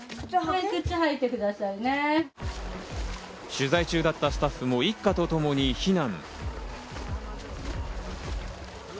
取材中だったスタッフも一家とともに避難。